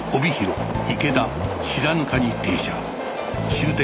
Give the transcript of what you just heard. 終点